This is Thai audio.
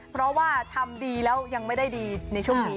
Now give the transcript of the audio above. เพราะว่าทำดีแล้วยังไม่ได้ดีในช่วงนี้